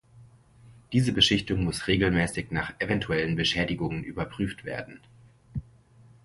Diese Beschichtung muss regelmäßig nach eventuellen Beschädigungen überprüft werden.